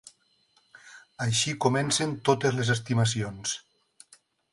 Així comencen totes les estimacions.